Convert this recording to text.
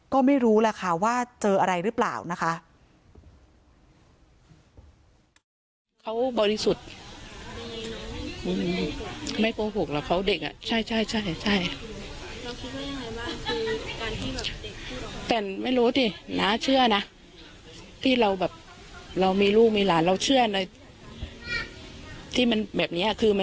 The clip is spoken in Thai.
ก็ไม่รู้ล่ะค่ะว่าเจออะไรหรือเปล่านะคะ